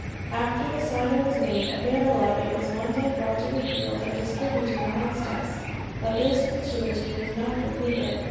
After the cider was made, a barrel of it was one day brought to the field, and distributed amongst us; but this gratuity was not repeated.